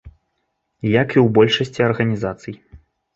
Як і ў большасці арганізацый.